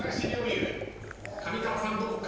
上川さんどうか？